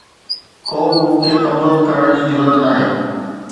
ڪو به مون کي ڪمزور ڪرڻ جي جرئت ناهي